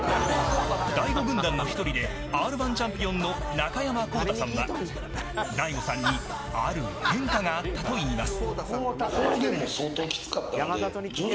大悟軍団の１人でＲ−１チャンピオンの中山功太さんは大悟さんにある変化があったといいます。